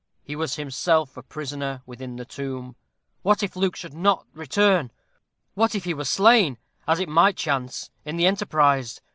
He was himself a prisoner within the tomb. What if Luke should not return? What if he were slain, as it might chance, in the enterprise?